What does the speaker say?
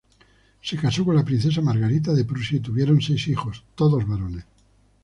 Se casó con la princesa Margarita de Prusia y tuvieron seis hijos, todos varones.